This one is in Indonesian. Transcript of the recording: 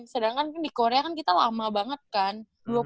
sedangkan di korea kan kita lama banget kan